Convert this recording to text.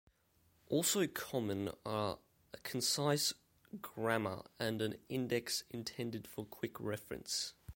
Also common are a concise grammar and an index intended for quick reference.